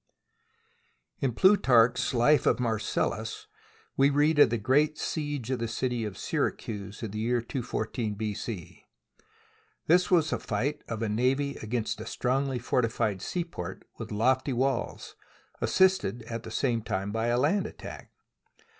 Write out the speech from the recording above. IN Plutarch's life of Marcellus we read of the great siege of the city of Syracuse in the year 214 B.C. This was a fight of a navy against a strongly fortified seaport with lofty walls, assisted at the same time by a land attack.